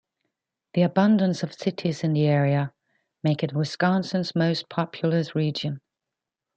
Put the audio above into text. The abundance of cities in the area make it Wisconsin's most populous region.